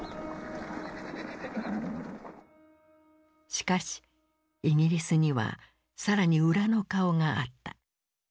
しかしイギリスには更に裏の顔があった。